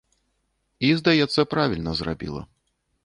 І, здаецца, правільна зрабіла.